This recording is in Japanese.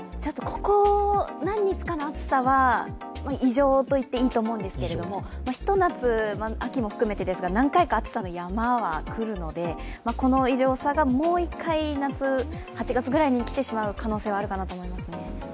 ここ何日かの暑さは異常といっていいと思うんですけど、ひと夏、秋も含めてですが、何回も山は来るのでこの異常さがもう一回夏、８月ぐらいに来てしまう可能性はあるかなと思いますね。